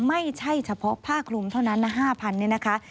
ไม่ใช่เฉพาะผ้าคลุมเท่านั้นนะ๕๐๐นี่นะคะ